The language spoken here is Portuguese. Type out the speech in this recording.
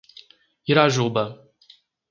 Irajuba